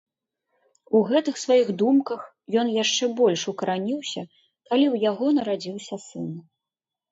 У гэтых сваіх думках ён яшчэ больш укараніўся, калі ў яго нарадзіўся сын.